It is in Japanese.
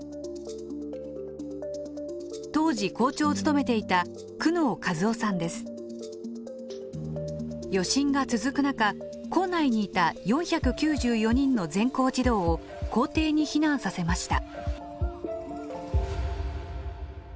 当時校長を務めていた余震が続く中校内にいた４９４人の全校児童を校庭に避難させました。